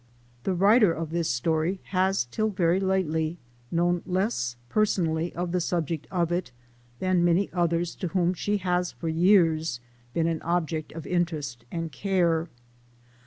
The writer of this story has till very lately known less personally of the subject of it, than many others to whom she has for years been an object of inter est and care.